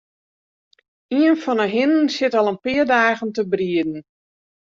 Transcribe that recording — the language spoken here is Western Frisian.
Ien fan 'e hinnen sit al in pear dagen te brieden.